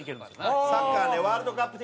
サッカーワールドカップ的なね。